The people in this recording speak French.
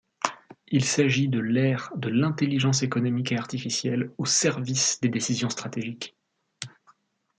Il s'agit de l’ère de l'intelligence économique et artificielle au service des décisions stratégiques.